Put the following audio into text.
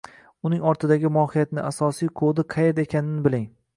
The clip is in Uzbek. Uning ortidagi mohiyatni, asosiy kodi qayerda ekanini biling.